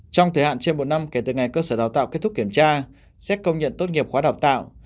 trong thời hạn trên một năm kể từ ngày cơ sở đào tạo kết thúc kiểm tra xét công nhận tốt nghiệp khóa đào tạo